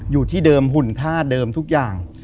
อยู่ที่เดิมหุ่นค่าเดิมทุกอย่าง